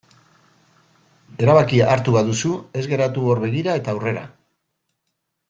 Erabakia hartu baduzu ez geratu hor begira eta aurrera.